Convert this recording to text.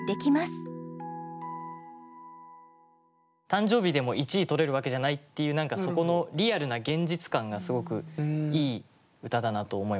誕生日でも一位とれるわけじゃないっていう何かそこのリアルな現実感がすごくいい歌だなと思いました。